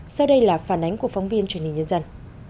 sau đây là phản ánh của phóng viên truyền hình nhân dân